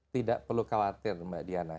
tidak perlu khawatir mbak diana